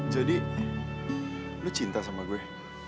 jadi lu cinta sama gue